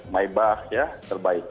maybach ya terbaik